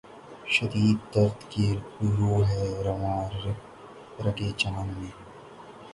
شدید درد کی رو ہے رواں رگ ِ جاں میں